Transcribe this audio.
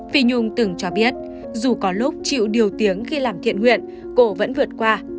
phi nhung từng cho biết dù có lúc chịu điều tiếng khi làm thiện nguyện cổ vẫn vượt qua